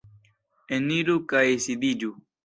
Eniru kaj sidiĝu!